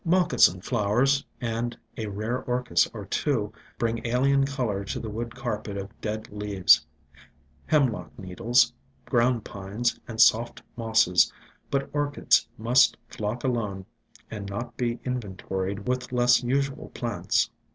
Moccasin flowers and a rare Orchis or two bring alien color to the wood carpet of dead leaves, Hemlock needles, Ground Pines and soft Mosses ; but Orchids must flock alone and not be inventoried with less usual plants.